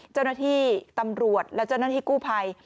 เจ้าหน้าที่ตำรวจและเจ้าหน้าที่กู้ภัย